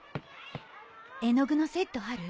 絵の具のセットある？